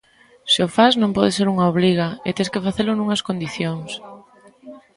Se o fas, non pode ser unha obriga, e tes que facelo nunhas condicións.